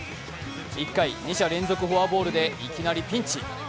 １回、２者連続フォアボールでいきなりピンチ。